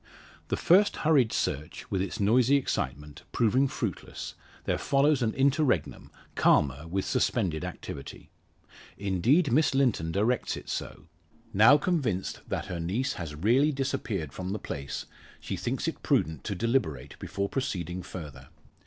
The first hurried search, with its noisy excitement, proving fruitless, there follows an interregnum calmer with suspended activity. Indeed, Miss Linton directs it so. Now convinced that her niece has really disappeared from the place, she thinks it prudent to deliberate before proceeding further.